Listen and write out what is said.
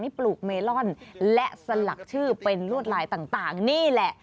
ปลูกเมลอนและสลักชื่อเป็นลวดลายต่างนี่แหละ